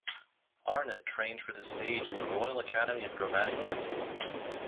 Arnatt trained for the stage at the Royal Academy of Dramatic Art.